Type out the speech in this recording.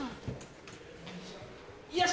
よし！